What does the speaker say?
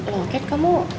loh kat kamu